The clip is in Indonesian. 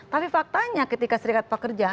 tapi faktanya ketika serikat pekerja